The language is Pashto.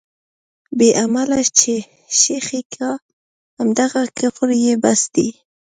بې علمه چې شېخي کا، همدغه کفر یې بس دی.